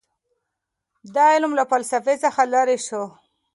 دا علم له فلسفې څخه لیرې سو.